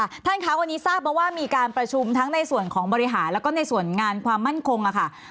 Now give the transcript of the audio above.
ท่านคะวันนี้ทราบมาว่ามีการประชุมทั้งในส่วนของบริหารแล้วก็ในส่วนงานความมั่นคงค่ะ